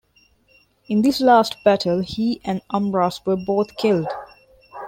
In this last battle, he and Amras were both killed.